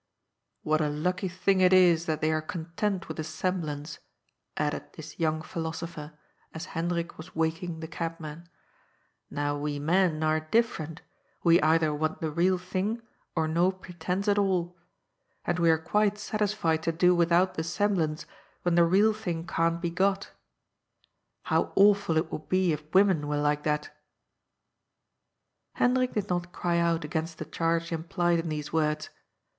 ^' What a lucky thing it is that they are content with a semblance," added this young philosopher, as Hendrik was waking the cabman. '^ Now we men are different, we either want the real thing or no pretence at all. And we are quite satisfied to do without the semblance when the real thing can't be got How awful it would be if women were like that I " Hendrik did not cry out against the charge implied in these words.